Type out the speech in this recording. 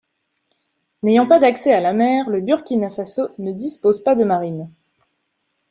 N'ayant pas d'accès à la mer, le Burkina Faso ne dispose pas de marine.